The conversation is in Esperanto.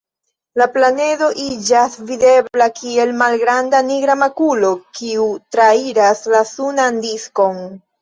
La planedo iĝas videbla kiel malgranda nigra makulo, kiu trairas la sunan diskon.